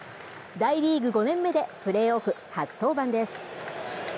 大リーグ５年目でプレーオフ初登板です。